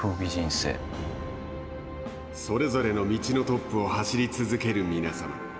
それぞれの道のトップを走り続ける皆様。